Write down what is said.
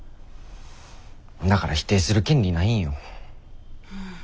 だから否定する権利ないんよ。